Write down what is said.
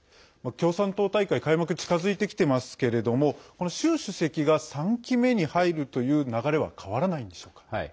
共産党大会開幕近づいてきてますけれどもこの習主席が３期目に入るという流れは変わらないんでしょうか。